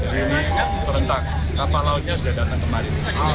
jadi serentak kapal lautnya sudah datang kemarin